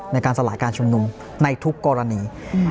ในการสลายการชุมนุมในทุกกรณี